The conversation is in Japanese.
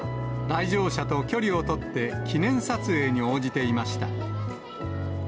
来場者と距離を取って、記念撮影に応じていました。